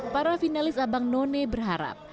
para finalis abang none berharap